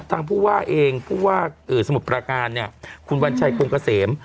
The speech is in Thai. ผู้ว่าเองผู้ว่าสมุทรประการเนี่ยคุณวัญชัยคงเกษม